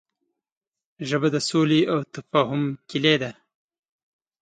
ژبه د سولې او تفاهم کلۍ ده